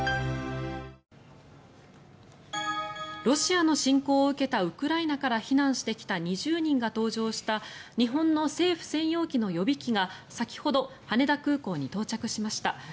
ロシアの侵攻を受けたウクライナから避難してきた２０人が搭乗した日本の政府専用機の予備機が先ほど、羽田空港に到着しました。